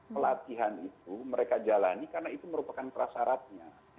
pelatihan itu mereka jalani karena itu merupakan prasaratnya